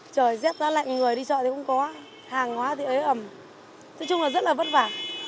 trời rét ra lạnh người đi chợ thì cũng có hàng hóa thì ế ẩm nói chung là rất là vất vả